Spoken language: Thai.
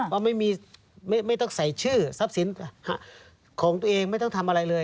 ว่าไม่ต้องใส่ชื่อทรัพย์สินของตัวเองไม่ต้องทำอะไรเลย